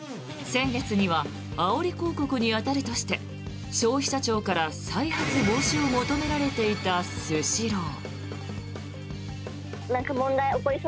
先月にはあおり広告に当たるとして消費者庁から再発防止を求められていたスシロー。